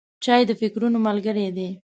چای د فکرونو ملګری دی.